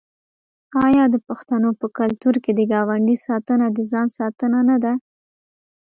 آیا د پښتنو په کلتور کې د ګاونډي ساتنه د ځان ساتنه نه ده؟